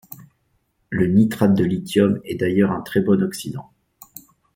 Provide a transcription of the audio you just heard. Le nitrate de lithium est d'ailleurs un très bon oxydant.